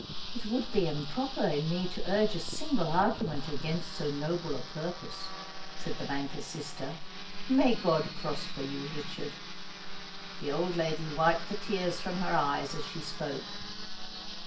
"It would be improper in me to urge a single argument against so noble a purpose," said the banker's sister. "May God prosper you, Richard." The old lady wiped the tears from her eyes as she spoke.